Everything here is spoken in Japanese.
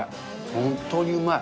本当にうまい。